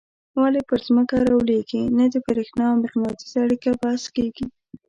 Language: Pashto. ولي پر ځمکه رالویږي نه د برېښنا او مقناطیس اړیکه بحث کیږي.